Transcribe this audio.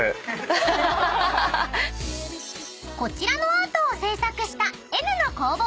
［こちらのアートを制作した］